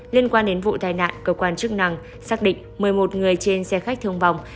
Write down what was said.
liên quan đến vụ tai nạn cơ quan chức năng xác định một mươi một người trên xe khách thương vong